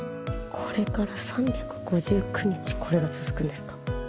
これから３５９日これが続くんですか？